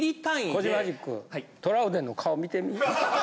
コジマジックトラウデンの顔見てみ。